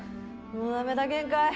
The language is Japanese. もうダメだ限界！